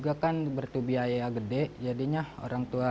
waktu ini dia bisa berusia setelah berusia setelah berusia setelah